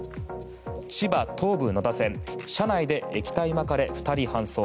千葉・東武野田線車内で液体まかれ、２人搬送。